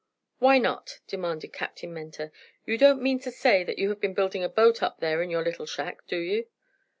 "Why not," demanded Captain Mentor. "You don't mean to say that you have been building a boat up there in your little shack, do you?"